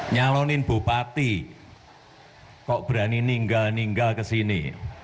nyalonin bupati kok berani ninggal ninggal ke sini